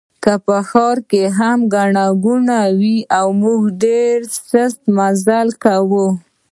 په ښار کې هم ګڼه ګوڼه وه او موږ ډېر سست مزل کاوه.